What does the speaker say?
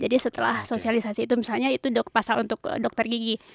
jadi setelah sosialisasi itu misalnya itu pasal untuk dokter gigi